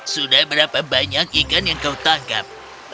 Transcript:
sudah berapa banyak ikan yang kau tangkap